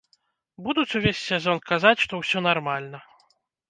Будуць увесь сезон казаць, што ўсё нармальна.